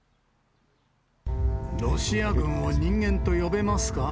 ロシア軍を人間と呼べますか？